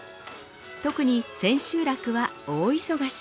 特に千秋楽は大忙し。